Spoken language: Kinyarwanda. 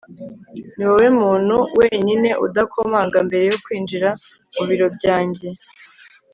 niwowe muntu wenyine udakomanga mbere yo kwinjira mu biro byanjye